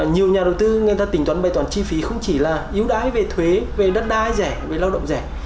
nhiều nhà đầu tư tính toán bài toán chi phí không chỉ là yếu đái về thuế về đất đai rẻ về lao động rẻ